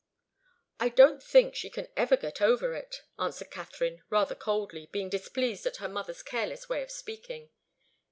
"I don't think she can ever get over it," answered Katharine, rather coldly, being displeased at her mother's careless way of speaking.